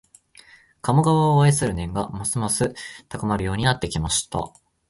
鴨川を愛する念がますます高まるようになってきました